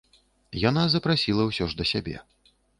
Яна запрасіла ўсе ж да сябе.